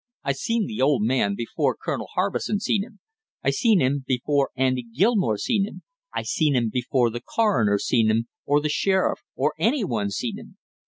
I seen the old man before Colonel Harbison seen him, I seen him before Andy Gilmore seen him, I seen him before the coroner seen him, or the sheriff or any one seen him!